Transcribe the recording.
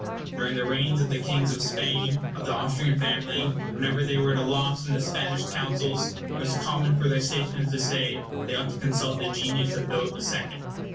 During the reigns of the kings of Spain of the Austrian family, whenever they were at a loss in the Spanish councils, it was common for their statesmen to say that they ought to consult the genius of Philip the Second.